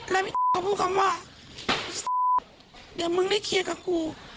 แล้วเขาพูดคำว่าเดี๋ยวมึงได้เคลียร์กับกู